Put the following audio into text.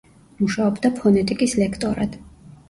მუშაობდა ფონეტიკის ლექტორად.